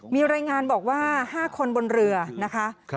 มีรายงานบอกว่า๕คนบนเรือนะคะ